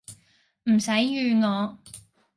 唔使預我